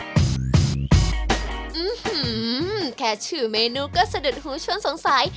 แค่ชื่อเมนูก็สะดุดหูชวนสงสัย